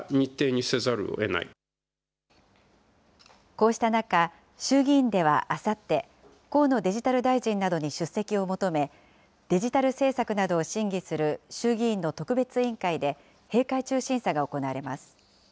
こうした中、衆議院ではあさって、河野デジタル大臣などに出席を求め、デジタル政策などを審議する衆議院の特別委員会で、閉会中審査が行われます。